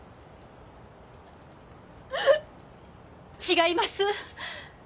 違います。